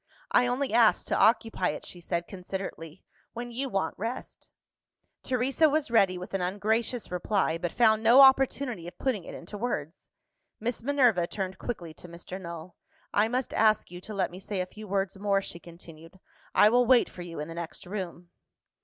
"I only ask to occupy it," she said considerately, "when you want rest." Teresa was ready with an ungracious reply, but found no opportunity of putting it into words. Miss Minerva turned quickly to Mr. Null. "I must ask you to let me say a few words more," she continued; "I will wait for you in the next room."